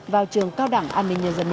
vào trường cao đẳng an ninh nhân dân một